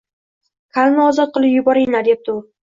Kalni ozod qilib yuboringlar, debdi u